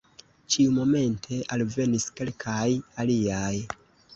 Ĉiumomente alvenis kelkaj aliaj.